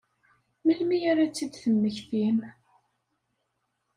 Melmi ara ad tt-id-temmektim?